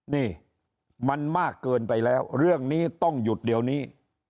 นี่มันมากเกินไปแล้วเรื่องนี้ต้องหยุดเดี๋ยวนี้